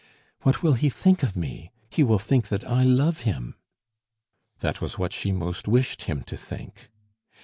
"What will he think of me? He will think that I love him!" That was what she most wished him to think.